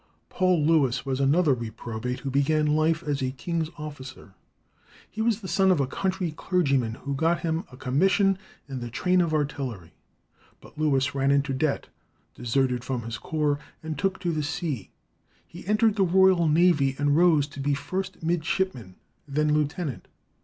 Paul Lewis was another reprobate, who began life as a king's officer. He was the son of a country clergyman, who got him a commission in the train of artillery; but Lewis ran into debt, deserted from his corps, and took to the sea. He entered the Royal Navy, and rose to be first midshipman, then lieutenant.